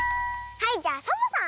はいじゃあサボさん！